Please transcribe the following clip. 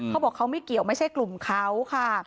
เขาบอกเขาไม่เกี่ยวไม่ใช่กลุ่มเขาค่ะ